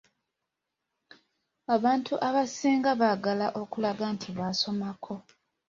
Abantu abasinga baagala okulaga nti baasomako.